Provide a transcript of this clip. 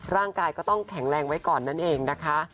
ร่างกายก็ต้องแข็งแรงไว้ก่อนนั่นเองนะคะ